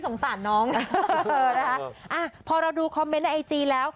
นะคะ